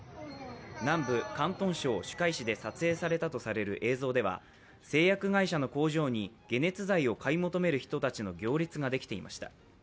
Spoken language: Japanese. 南部・広東省珠海市で撮影されたとされる映像では製薬会社の工場に解熱剤を買い求める人たちの行列ができていました。